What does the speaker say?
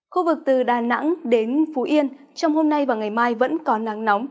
khu vực từ đà nẵng đến phú yên trong hôm nay và ngày mai vẫn có nắng nóng